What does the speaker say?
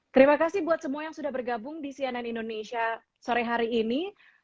terima kasih buat semua yang sudah bergabung di cnn indonesia sore hari ini